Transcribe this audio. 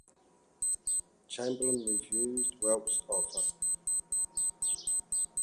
Chamberlin refused Welk's offer.